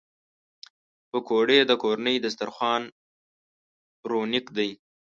پکورې د کورني دسترخوان رونق دي